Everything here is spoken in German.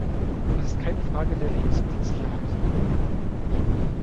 Das ist keine Frage der Lebensmittelsicherheit.